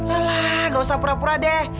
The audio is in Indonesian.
wah gak usah pura pura deh